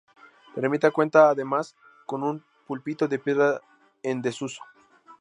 La ermita cuenta además con un púlpito de piedra en desuso.